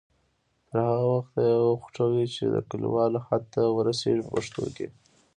تر هغه وخته یې وخوټوئ چې د کلکوالي حد ته ورسیږي په پښتو کې.